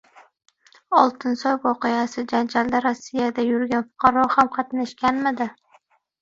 Oltinsoy voqeasi: janjalda Rossiyada yurgan fuqaro ham qatnashganmidi?